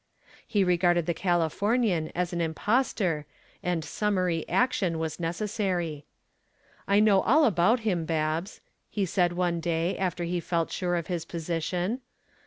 He regarded the Californian as an impostor and summary action was necessary. "I know all about him, Babs," he said one day after he felt sure of his position.